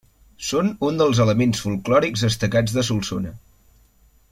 Són un dels elements folklòrics destacats de Solsona.